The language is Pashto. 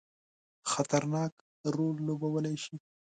خطرناک رول لوبولای شي.